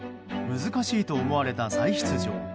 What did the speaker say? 難しいと思われた再出場。